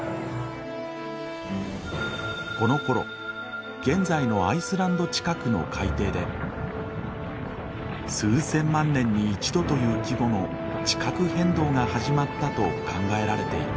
このころ現在のアイスランド近くの海底で数千万年に一度という規模の地殻変動が始まったと考えられている。